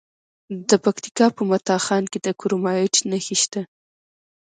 د پکتیکا په متا خان کې د کرومایټ نښې شته.